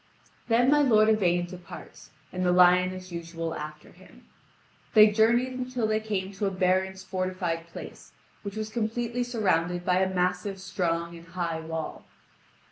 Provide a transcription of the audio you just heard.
Then my lord Yvain departs, and the lion as usual after him. They journeyed until they came to a baron's fortified place, which was completely surrounded by a massive, strong, and high wall.